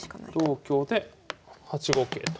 同香で８五桂と。